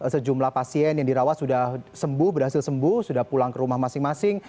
sejumlah pasien yang dirawat sudah sembuh berhasil sembuh sudah pulang ke rumah masing masing